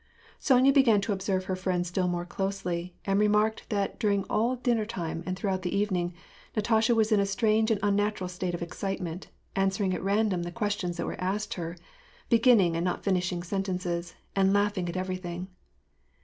Sonya began to observe her fHend still more closely, and Iremarked that during all dinner time and throughout the even ing, Natasha was in a strange and unnatural state of excite ment, answering at random the questions that were asked her, beginning and not finishing sentences, and laughing at every thing.